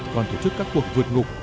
còn tổ chức các cuộc vượt ngục